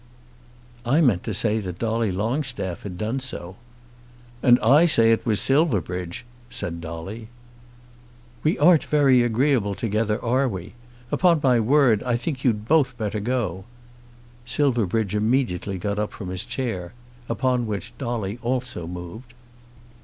"I meant to say that Dolly Longstaff had done so." "And I say it was Silverbridge," said Dolly. "We aren't very agreeable together, are we? Upon my word I think you'd better both go." Silverbridge immediately got up from his chair; upon which Dolly also moved.